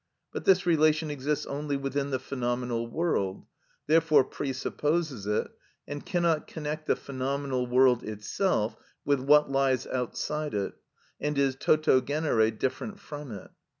But this relation exists only within the phenomenal world, therefore presupposes it, and cannot connect the phenomenal world itself with what lies outside it, and is toto genere different from it.